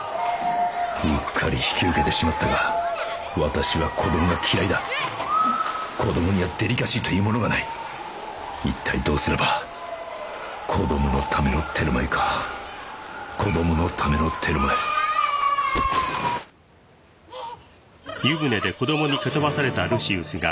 うっかり引き受けてしまったが私は子供が嫌いだ子供にはデリカシーというものがない一体どうすれば子供のためのテルマエか子供のためのテルマエあああああー！